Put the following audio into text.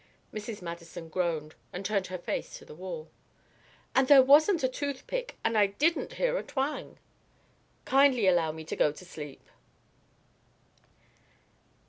Mrs. Madison groaned and turned her face to the wall. "And there wasn't a toothpick, and I didn't hear a twang." "Kindly allow me to go to sleep."